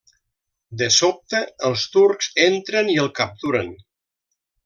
De sobte, els turcs entren i el capturen.